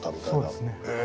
そうですね。